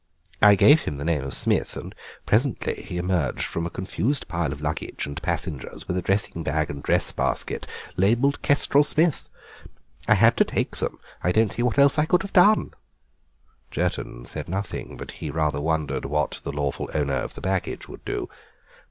I gave him the name of Smith, and presently he emerged from a confused pile of luggage and passengers with a dressing bag and dress basket labelled Kestrel Smith. I had to take them; I don't see what else I could have done." Jerton said nothing, but he rather wondered what the lawful owner of the baggage would do.